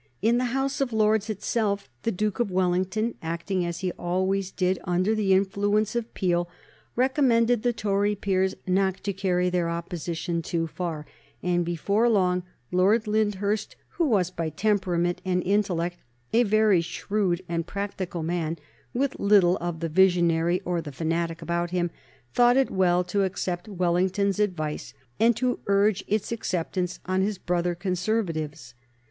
In the House of Lords itself the Duke of Wellington, acting as he almost always did under the influence of Peel, recommended the Tory peers not to carry their opposition too far, and before long Lord Lyndhurst, who was by temperament and intellect a very shrewd and practical man, with little of the visionary or the fanatic about him, thought it well to accept Wellington's advice, and to urge its acceptance on his brother Conservatives.